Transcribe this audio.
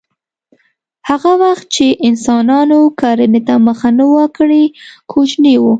هغه وخت چې انسانانو کرنې ته مخه نه وه کړې کوچني وو